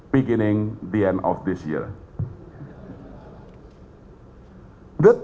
pada mulanya tahun ini